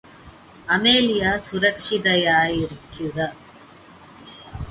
Amelia സുരക്ഷിതായായിരിക്കുക